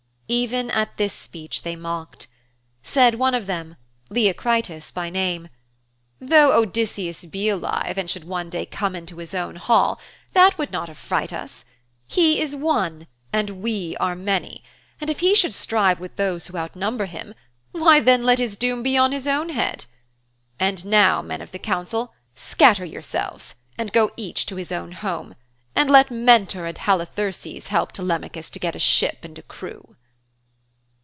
Even at this speech they mocked. Said one of them, Leocritus by name, 'Though Odysseus be alive and should one day come into his own hall, that would not affright us. He is one, and we are many, and if he should strive with those who outnumber him, why then, let his doom be on his own head. And now, men of the council, scatter yourselves and go each to his own home, and let Mentor and Halitherses help Telemachus to get a ship and a crew.'